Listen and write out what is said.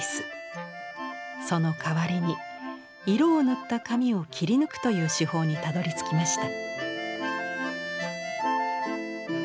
そのかわりに色を塗った紙を切り抜くという手法にたどりつきました。